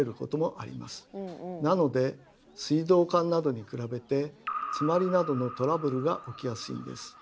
なので水道管などに比べて詰まりなどのトラブルが起きやすいんです。